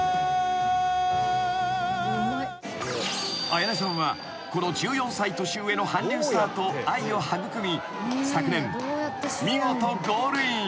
［彩音さんはこの１４歳年上の韓流スターと愛を育み昨年見事ゴールイン］